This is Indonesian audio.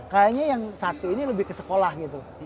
kayaknya yang satu ini lebih ke sekolah gitu